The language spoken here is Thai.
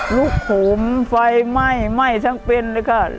ลุกโหมไฟไหม้ไหม้ทั้งเป็นเลยค่ะ